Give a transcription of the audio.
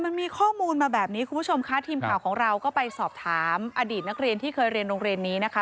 มันมีข้อมูลมาแบบนี้คุณผู้ชมค่ะทีมข่าวของเราก็ไปสอบถามอดีตนักเรียนที่เคยเรียนโรงเรียนนี้นะคะ